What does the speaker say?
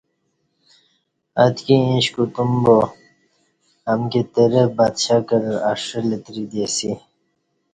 اتکی ایݩش کوتم با امکی ترہ بد شکل، اݜہ لتری دی اسی۔